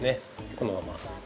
このまま。